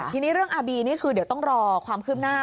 ทีนี้เรื่องอาร์บีนี่คือเดี๋ยวต้องรอความคืบหน้า